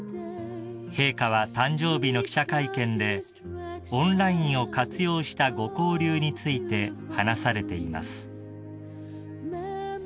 ［陛下は誕生日の記者会見でオンラインを活用したご交流について話されています］